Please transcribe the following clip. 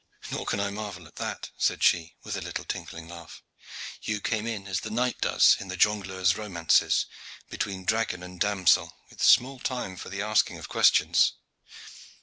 "Nor can I marvel at that," said she, with a little tinkling laugh. "You came in as the knight does in the jongleur's romances, between dragon and damsel, with small time for the asking of questions.